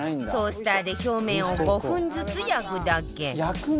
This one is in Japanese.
トースターで表面を５分ずつ焼くだけ